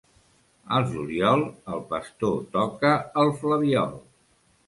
Al juliol, el pastor toca el flabiol.